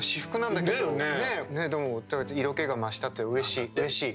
でも色気が増したとうれしい、うれしい。